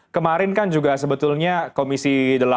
kemarin kan juga sebetulnya komisi delapan